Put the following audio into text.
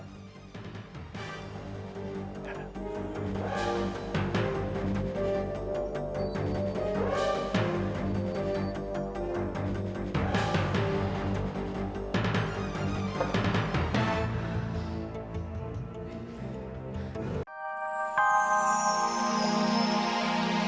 nggak ada apa apa